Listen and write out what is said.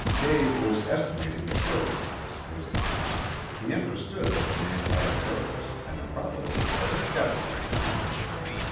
Dave was estimating the purpose of this visit. He understood that the man had a purpose, and probably a very definite one.